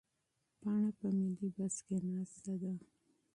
پاڼه په ملي بس کې ناسته ده.